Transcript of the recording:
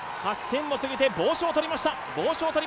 ８０００を過ぎて帽子を取りました。